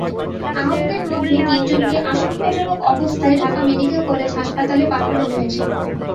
আহতদের মধ্যে তিনজনকে আশঙ্কজনক অবস্থায় ঢাকা মেডিকেল কলেজ হাসপাতালে পাঠানো হয়েছে।